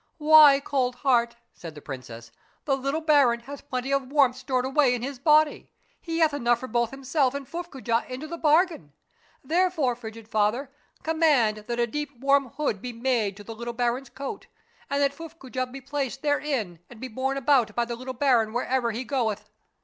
"Why, cold heart," said the princess, "the little baron hath A MARVELLOUS UNDERGROUND JOURNEY 189 plenty of warmth stored away in his body, he hath enough for both himself and Fuffcoojah into the bargain. Therefore, frigid father, command that a deep, warm hood be made to the little baron's coat, and that Fuffcoojah be placed therein and be borne about by the little baron wherever he goeth.